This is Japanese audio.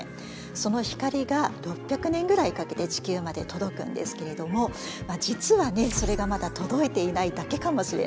その光が６００年ぐらいかけて地球まで届くんですけれども実はそれがまだ届いていないだけかもしれないっていうね